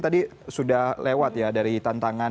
tadi sudah lewat ya dari tantangan